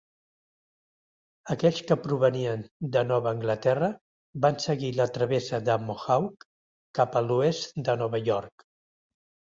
Aquells que provenien de Nova Anglaterra van seguir la travessa de Mohawk cap a l'oest de Nova York.